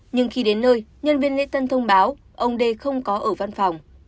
nhưng khi đến nơi nhân viên lễ tân thông báo ông d không có ở văn phòng